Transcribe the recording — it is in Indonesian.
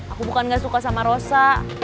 aku bukan gak suka sama rosa